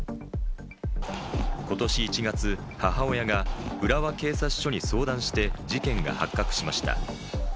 今年１月、母親が浦和警察署に相談して事件が発覚しました。